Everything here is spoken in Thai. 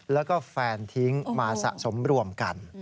แล้วก็แฟนทิ้งมาสะสมรวมกัน